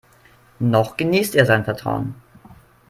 Noch genießt er sein Vertrauen.